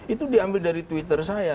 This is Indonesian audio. itu diambil dari twitter saya